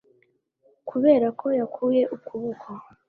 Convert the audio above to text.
Kubera ko yakuye ukuboko